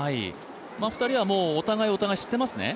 ２人はお互い、お互い知っていますね。